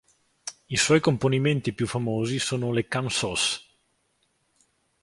I suoi componimenti più famosi sono le "cansos".